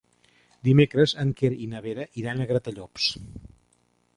Dimecres en Quer i na Vera iran a Gratallops.